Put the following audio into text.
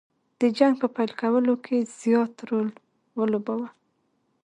د جنګ په پیل کولو کې زیات رول ولوباوه.